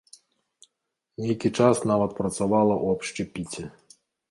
Нейкі час нават працавала ў абшчэпіце.